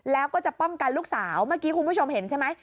แล้วก็จะป้องกันลูกสาวเมื่อกี้คุณผู้ชมเห็นใช่ไหม